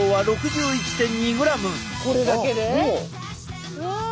これだけで？わ！